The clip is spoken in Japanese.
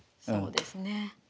そうですね。